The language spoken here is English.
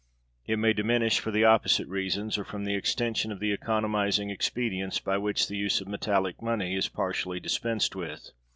It may diminish, for the opposite reasons; or, from the extension of the economizing expedients by which the use of metallic money is partially dispensed with.